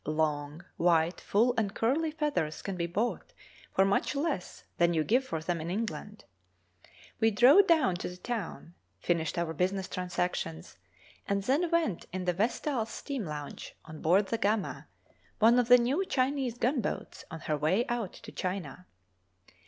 Long, white, full, and curly feathers can be bought for much less than you give for them in England. We drove down to the town, finished our business transactions, and then went in the 'Vestal's' steam launch on board the 'Gamma,' one of the new Chinese gunboats on her way out to China.